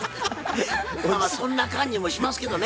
そんな感じもしますけどね。